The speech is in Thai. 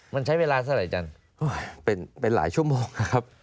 มันใช้เวลาเท่าไหร่จันทร์เป็นหลายชั่วโมงนะครับ